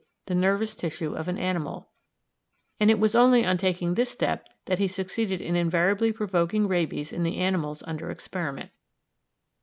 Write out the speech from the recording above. the nervous tissue of an animal; it was only on taking this step that he succeeded in invariably provoking rabies in the animals under experiment.